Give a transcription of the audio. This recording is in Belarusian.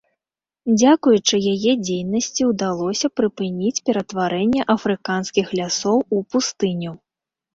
Дзякуючы яе дзейнасці ўдалося прыпыніць ператварэнне афрыканскіх лясоў у пустыню.